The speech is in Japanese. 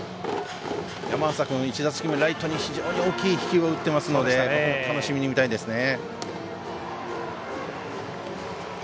山浅君１打席目ライトに非常に大きい飛球を打っているので楽しみに見たいですね。